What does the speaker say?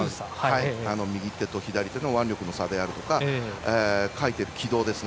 右手と左手の腕力の差であるとかかいている軌道ですね。